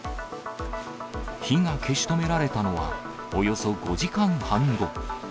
火が消し止められたのは、およそ５時間半後。